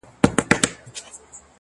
o هغه نجلۍ چي هر ساعت به یې پوښتنه کول ـ